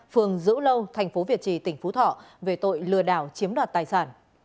phường dữ lâu tp việt trì tỉnh phú thọ về tội lừa đảo chiếm đoạt tài sản